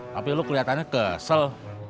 tapi lo kelihatannya kesel